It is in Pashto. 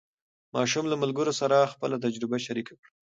ماشوم له ملګرو سره خپله تجربه شریکه کړه